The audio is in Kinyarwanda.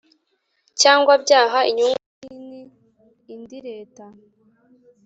cyangwa byaha inyungu nini indi Leta